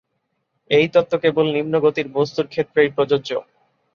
এই তত্ত্ব কেবল নিম্ন গতির বস্তুর ক্ষেত্রেই প্রযোজ্য।